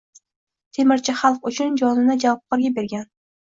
Temirchi xalq uchun jonini jabborga bergan